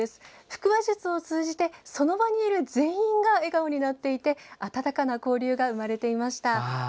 腹話術を通じてその場にいる全員が笑顔になっていて温かな交流が生まれていました。